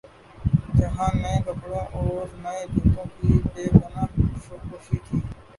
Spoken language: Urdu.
جہاں نئے کپڑوں اورنئے جوتوں کی بے پنا ہ خوشی تھی۔